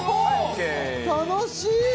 楽しい！